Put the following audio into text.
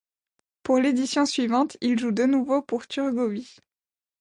Pour l'édition suivante, il joue de nouveau pour Thurgovie.